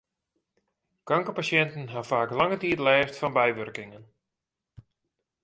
Kankerpasjinten ha faak lange tiid lêst fan bywurkingen.